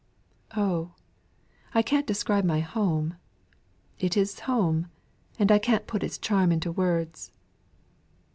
"Oh, I can't describe my home. It is home, and I can't put its charm into words."